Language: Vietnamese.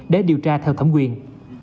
để điều tra theo thẩm quyền